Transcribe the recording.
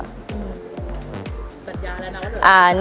สัญญาแล้วนะ